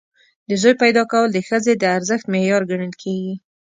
د زوی پیدا کول د ښځې د ارزښت معیار ګڼل کېږي.